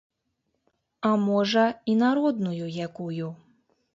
А, можа, і народную якую.